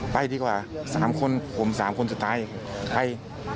ไปดีกว่าสามคนผมสามคนสุดท้ายให้